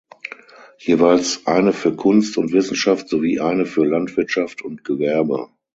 Jeweils eine für Kunst und Wissenschaft sowie eine für Landwirtschaft und Gewerbe.